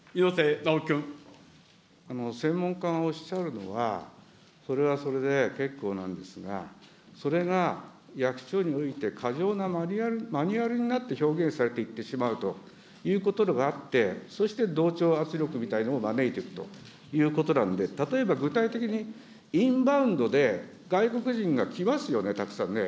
専門家がおっしゃるのは、それはそれで結構なんですが、それが役所において過剰なマニュアルになって表現されていってしまうというところがあって、そして同調圧力みたいのを招いているということなんで、例えば具体的に、インバウンドで、外国人が来ますよね、たくさんね。